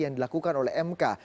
yang dilakukan oleh mk